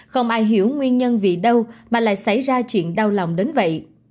không ai hiểu nguyên nhân vì đâu mà lại xảy ra chuyện đau lòng đến vậy